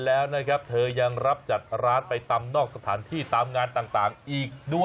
แล้วก็อยากจะแซ่บเห็นไหมคะ